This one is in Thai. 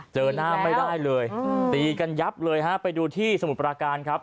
เจอหน้าไม่ได้เลยตีกันยับเลยฮะไปดูที่สมุทรปราการครับ